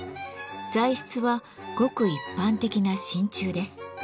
材質はごく一般的な真鍮です。